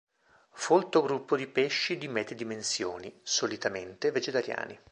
Folto gruppo di pesci di medie dimensioni, solitamente vegetariani.